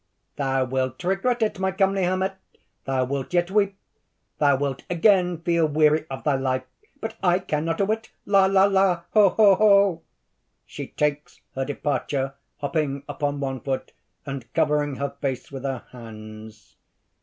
_) "Thou wilt regret it, my comely hermit! thou wilt yet weep! thou wilt again feel weary of thy life; but I care not a whit! La! la! la! oh! oh! oh!" (_She takes her departure, hopping upon one foot and covering her face with her hands.